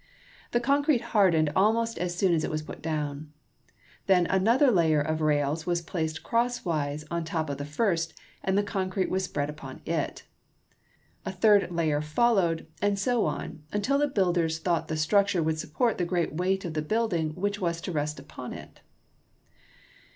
The concrete hardened almost as soon as it was put down. Then another layer of rails was placed crosswise on top of the first, and concrete was spread upon it. A third layer followed, and so on until the builders thought the structure would support the great weight of the building which was to rest upon it.